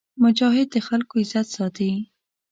مجاهد د خلکو عزت ساتي.